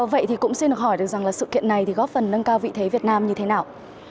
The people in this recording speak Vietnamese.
vậy thì cũng xin được hỏi được rằng là sự kiện này thì góp phần nâng cao vị thế việt nam như thế nào